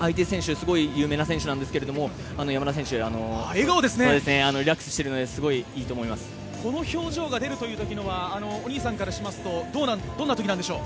すごい有名な選手なんですが山田選手リラックスしているのでこの表情が出る時はお兄さんからしますとどんな時なんでしょう？